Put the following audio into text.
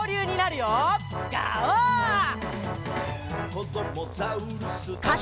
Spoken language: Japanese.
「こどもザウルス